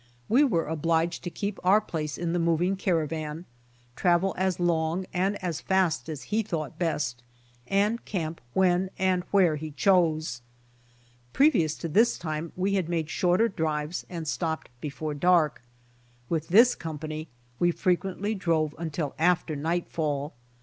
We were obliged to keep our place in the moving caravan, travel as long and as fast as he thought best, and camp when and where he chose. Previous to this time we had made shorter drives and stopped before dark. With this company, we frequently drove until after nightfall.